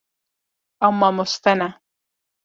Ew mamoste ne.